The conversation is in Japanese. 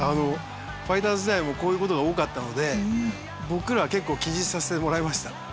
ファイターズ時代もこういう事が多かったので僕らは結構気にさせてもらいました。